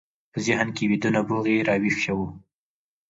په ذهن کې ویده نبوغ یې راویښ شو